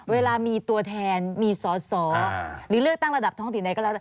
เวลามีตัวแทนมีสตหรือเลือกตั้งระดับท้องศิลป์ใน